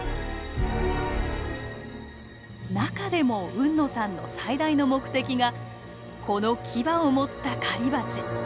中でも海野さんの最大の目的がこのキバを持った狩りバチ。